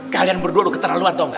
kalian berdua udah keterlaluan tau gak